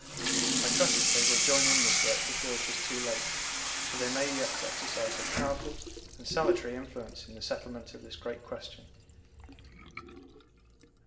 I trust that they will join in this work before it is too late, for they may yet exercise a powerful and salutary influence in the settlement of this great question.